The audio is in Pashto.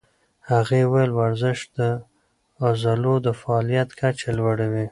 هغې وویل ورزش د عضلو د فعالیت کچه لوړوي.